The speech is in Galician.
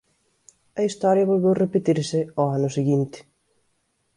A historia volveu repetirse ao ano seguinte.